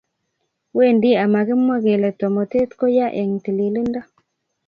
Wendi ama kimwa kele tomotet ko ya eng tililindo.